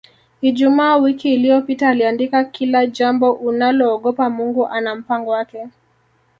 Ijumaa wiki iliyopita aliandika Kila jambo unaloogopa Mungu ana mpango wake